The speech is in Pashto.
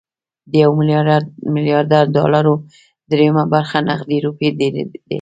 د يو ميليارد ډالرو درېيمه برخه نغدې روپۍ ډېرې دي.